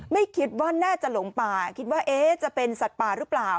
ไม่คิดว่าน่าจะหลงป่าคิดว่าเอ๊ะจะเป็นสัตว์ป่าหรือเปล่า